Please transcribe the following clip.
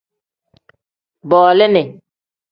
Bolini.